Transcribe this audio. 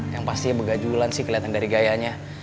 yang pastinya begajulan sih keliatan dari gayanya